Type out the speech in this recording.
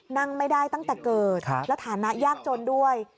นั่งไม่ได้ตั้งแต่เกิดแล้วฐานะยากจนด้วย